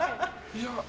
いや。